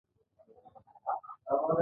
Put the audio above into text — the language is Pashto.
د روماتیزم لپاره باید څه شی وکاروم؟